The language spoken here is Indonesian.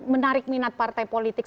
menarik minat partai politik